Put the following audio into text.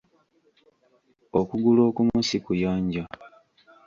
Okugulu okumu si kuyonjo.